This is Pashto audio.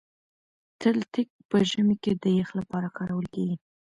تلتک په ژمي کي د يخ لپاره کارول کېږي.